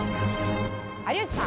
有吉さん